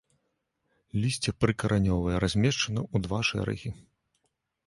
Лісце прыкаранёвае, размешчана ў два шэрагі.